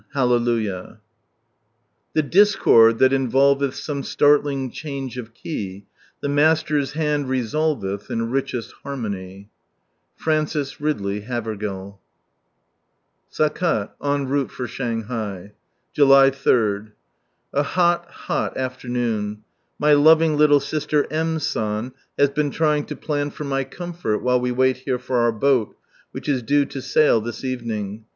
t>a[Ulujab! " The discard thai iiaistvelh Some slarfling e/iuHgt of iey, The Mtatii's hand rtsolvilh In rickist harmony." Frances Rh 1 Havbbcai, Sakat, en rouU for Shanghai. July 3. — A hot, hot afternoon. My loving little Bister M. San has been trying to plan for my comfort, while we wait here for our boat, which is due to sail this evening.